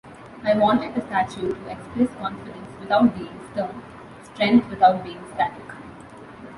I wanted the statue to express confidence without being stern, strength without being static.